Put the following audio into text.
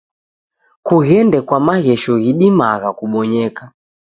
Kughende kwa maghesho ghidimagha kubonyeka.